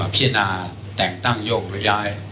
พิจารณาแต่งตั้งโยกหรือย้าย